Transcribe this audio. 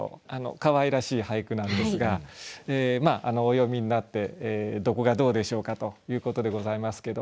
かわいらしい俳句なんですがお読みになってどこがどうでしょうかということでございますけど。